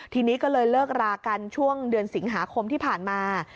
ทีนี้ก็เลยเลิกรากันช่วงเดือนสิงหาคมที่ผ่านมา